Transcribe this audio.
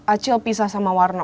acil pisah sama warno